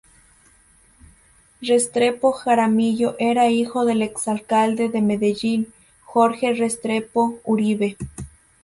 Restrepo Jaramillo era hijo del exalcalde de Medellín, Jorge Restrepo Uribe.